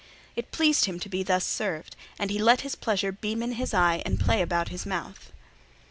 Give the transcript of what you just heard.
It pleased him to be thus served, and he let his pleasure beam in his eye and play about his mouth.